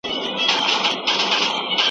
که ښځې وکیلې شي نو قانون نه نیمګړی کیږي.